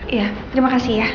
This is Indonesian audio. iya terima kasih ya